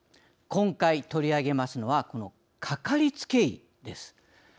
今回、取り上げますのはこのかかりつけ医です。